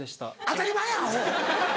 当たり前やアホ！